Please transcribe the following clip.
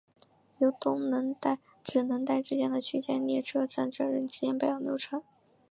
在东能代至能代之间的区间列车占整日时间表的六成。